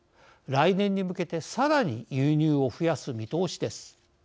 来年に向けて、さらに輸入を増やす見通しです。